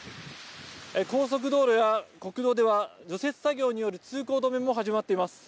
高速道路や国道では、除雪作業による通行止めも始まっています。